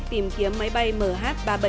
tìm kiếm máy bay mh ba trăm bảy mươi